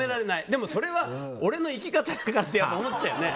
でも、それは俺の生き方だからって思っちゃうよね。